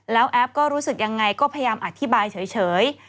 แล้วแอฟก็รู้สึกยังไงก็พยายามอธิบายเฉย